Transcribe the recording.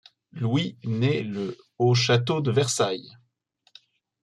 Louis naît le au château de Versailles.